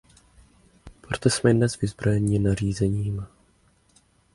Proto jsme dnes vyzbrojeni nařízením.